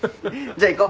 じゃあ行こ。